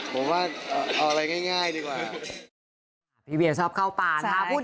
ผมว่าเอาอะไรง่ายดีกว่า